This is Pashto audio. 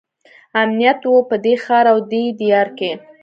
امنیت وو په دې ښار او دې دیار کې.